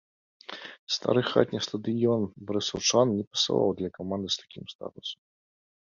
Стары хатні стадыён барысаўчан не пасаваў для каманды з такім статусам.